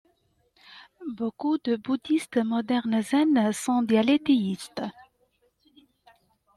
Beaucoup de bouddhistes modernes zen sont dialethéistes.